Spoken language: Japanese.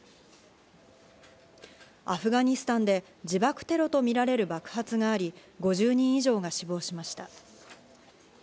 アフガニスタンで自爆テロとみられる爆発があり、５０人以上が死亡しました。